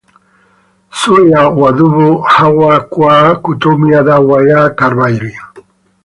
zuia wadudu hawa kwa kutumia dawa ya Carbaryl.